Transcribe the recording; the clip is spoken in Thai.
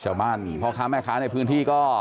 ชาวบ้านพ่อค้าแม่ค้าในพื้นที่ก็